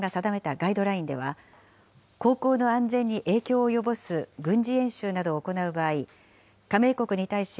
ガイドラインでは、航行の安全に影響を及ぼす軍事演習などを行う場合、加盟国に対し、